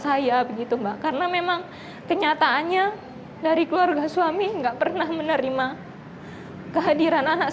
saya begitu mbak karena memang kenyataannya dari keluarga suami enggak pernah menerima kehadiran anak